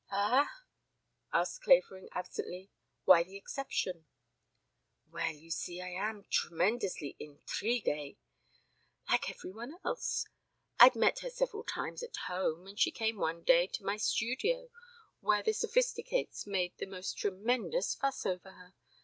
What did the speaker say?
"Ah?" asked Clavering absently. "Why the exception?" "Well, you see, I am tremendously intriguée, like every one else. I'd met her several times at home, and she came one day to my studio, where the Sophisticates made the most tremendous fuss over her.